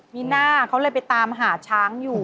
มีหน้าเขาเลยไปตามหาช้างอยู่